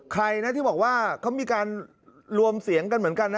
ใครนะที่บอกว่าเขามีการรวมเสียงกันเหมือนกันนะ